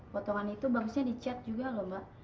potongan itu bagusnya dicet juga loh mbak